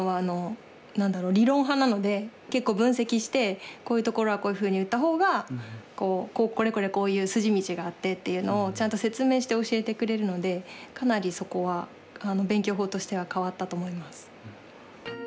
結構分析してこういうところはこういうふうに打った方がこれこれこういう筋道があってっていうのをちゃんと説明して教えてくれるのでかなりそこは勉強法としては変わったと思います。